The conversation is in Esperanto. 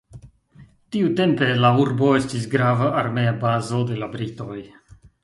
Tiutempe La urbo estis grava armea bazo de la britoj.